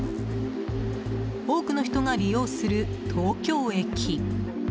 多くの人が利用する東京駅。